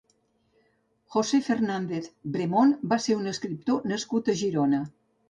José Fernández Bremón va ser un escriptor nascut a Girona.